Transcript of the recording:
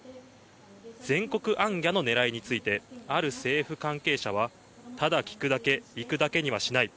全国行脚のねらいについて、ある政府関係者は、ただ聞くだけ、行くだけにはしない。